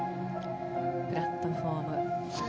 プラットフォーム。